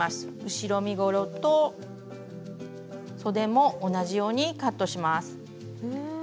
後ろ身ごろとそでも同じようにカットします。